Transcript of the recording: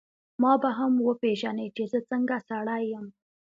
ما به هم وپېژنې چي زه څنګه سړی یم.